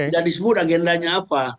jadi sebut agendanya apa